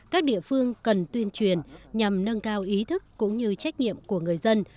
các địa phương cần tuyên truyền nhằm nâng cao ý thức cũng như trách nhiệm của người dân